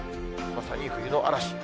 まさに冬の嵐。